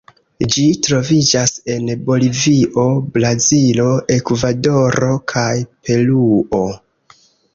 Ĝi troviĝas en Bolivio, Brazilo, Ekvadoro kaj Peruo.